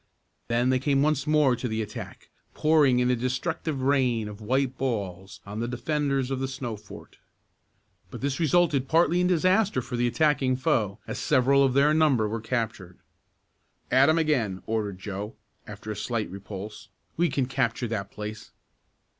Then they came once more to the attack, pouring in a destructive rain of white balls on the defenders of the snow fort. But this resulted partly in disaster for the attacking foe, as several of their number were captured. "At 'em again!" ordered Joe, after a slight repulse. "We can capture that place!"